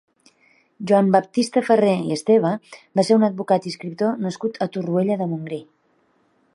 Joan Baptista Ferrer i Esteve va ser un advocat i escriptor nascut a Torroella de Montgrí.